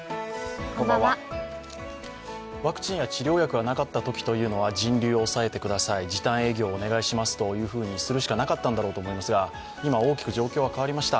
ワクチンや治療薬がなかったときというのは人流を抑えてください時短営業をお願いしますとするしかなかったんだと思いますが、今大きく状況は変わりました。